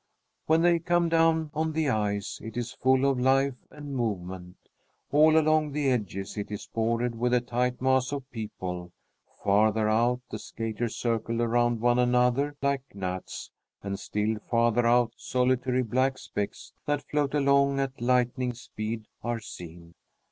When they come down on the ice, it is full of life and movement. All along the edges it is bordered with a tight mass of people; farther out, the skaters circle around one another, like gnats, and still farther out, solitary black specks that float along at lightning speed are seen.